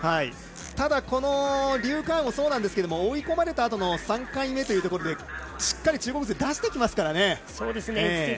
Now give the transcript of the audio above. ただ、劉佳宇もそうなんですが追い込まれたあとの３回目というところでしっかり中国勢は出してきますからね。